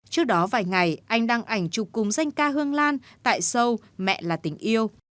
trước đó vài ngày anh đăng ảnh chụp cùng danh ca hương lan tại sâu mẹ là tình yêu